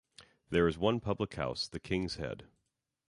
There is one public house, The King's Head.